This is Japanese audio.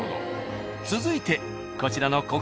続いてこちらの１日。